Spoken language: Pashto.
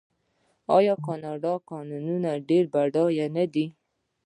آیا د کاناډا کانونه ډیر بډایه نه دي؟